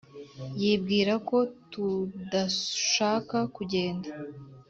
yibwira ko tudashaka kugenda.